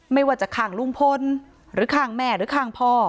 ไม่ว่าจะข้างลุงพลหรือข้างแม่หรือข้างพ่อ